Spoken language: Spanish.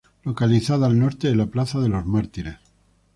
Localizada al norte de la Plaza de los Mártires.